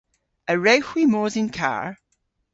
A wrewgh hwi mos yn karr?